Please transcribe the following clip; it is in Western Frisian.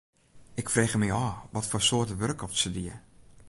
Ik frege my ôf watfoar soarte wurk oft se die.